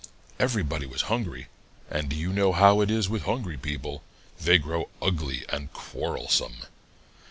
Everybody was hungry, and you know how it is with hungry people they grow ugly and quarrelsome.